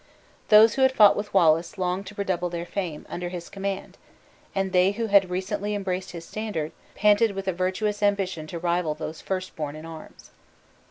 Those who had fought with Wallace, longed to redouble their fame under his command; and they who had recently embraced his standard, panted with a virtuous ambition to rival those first born in arms.